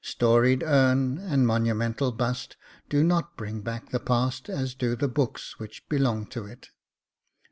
... Storied urn and monumental bust do not bring back the past as do the books which belong to it.